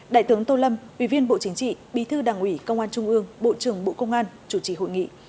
đại tướng tô lâm ủy viên bộ chính trị bí thư đảng ủy công an trung ương bộ trưởng bộ công an chủ trì hội nghị